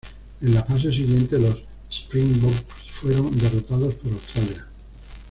En la fase siguiente, los Springboks fueron derrotados por Australia.